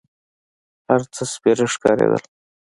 هر څه سپېره ښکارېدل.